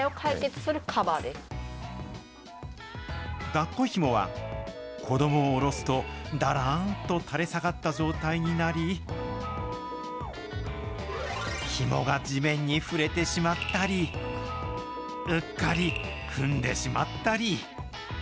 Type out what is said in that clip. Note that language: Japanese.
だっこひもは、子どもを下ろすとだらーんと垂れ下がった状態になり、ひもが地面に触れてしまったり、うっかり踏んでしまったり。